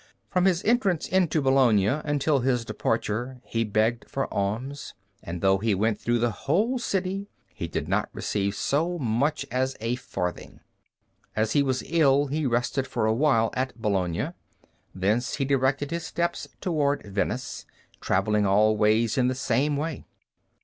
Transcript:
From his entrance into Bologna until his departure he begged for alms, and though he went through the whole city, he did not receive so much as a farthing. As he was ill, he rested for a while at Bologna. Thence he directed his steps toward Venice, traveling always in the same way.